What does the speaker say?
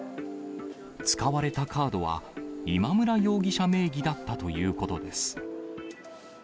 使われたカードは、今村容疑者名義だったということです。